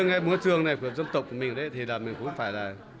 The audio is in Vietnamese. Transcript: ngày múa chuông này của dân tộc của mình thì là mình cũng phải